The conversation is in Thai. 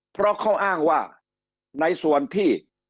เพราะเขาอ้างว่าในส่วนที่